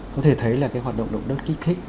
có thể thấy là cái hoạt động động đất kích thích